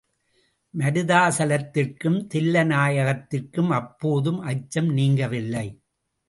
மருதாசலத்திற்கும், தில்லைநாயகத்திற்கும் அப்போதும் அச்சம் நீங்கவில்லை.